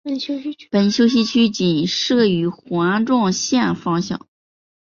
本休息区仅设于环状线方向。